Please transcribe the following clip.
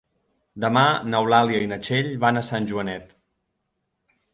Demà n'Eulàlia i na Txell van a Sant Joanet.